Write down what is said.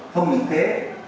không những thế